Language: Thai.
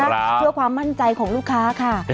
เพื่อความมั่นใจของลูกค้าค่ะ